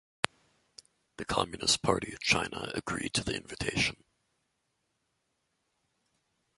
The Communist Party of China agreed to the invitation.